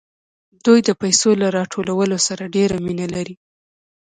دوی د پیسو له راټولولو سره ډېره مینه لري